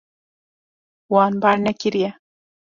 Wan bar nekiriye.